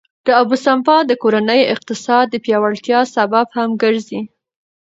د اوبو سپما د کورني اقتصاد د پیاوړتیا سبب هم ګرځي.